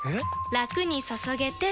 ラクに注げてペコ！